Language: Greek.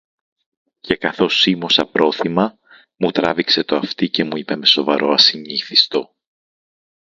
Και καθώς σίμωσα πρόθυμα, μου τράβηξε το αυτί και μου είπε με σοβαρό ασυνήθιστο: